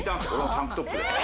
タンクトップで？